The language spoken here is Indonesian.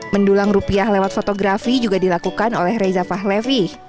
mendulang rupiah lewat fotografi juga dilakukan oleh reza fahlevi